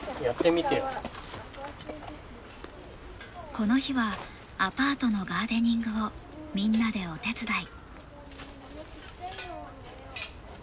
この日はアパートのガーデニングをみんなでお手伝い。